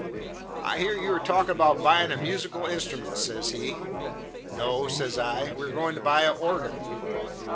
"I hear you are talkin' about buyin' a musical instrument," says he. "No," says I, "we are goin' to buy a organ."